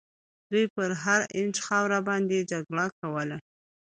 دوی پر هر اینچ خاوره باندي جګړه کوله.